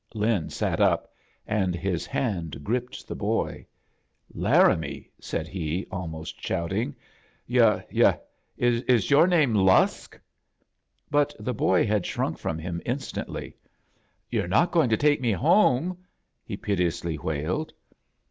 Lin sat up, and his hand gripped the boy. "Laramie!" said he, almoat shout ing it. "Yu* — yu' — is your name Losk?" But the boy had shrunk from him in stantly. "You're not going to take me home?" he piteously wailed.